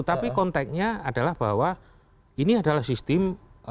tapi konteknya adalah bahwa ini adalah sistem dana yang lebih berkembang